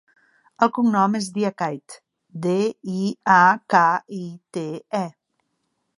El cognom és Diakite: de, i, a, ca, i, te, e.